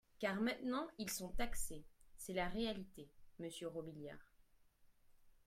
car maintenant ils sont taxés :, C’est la réalité, monsieur Robiliard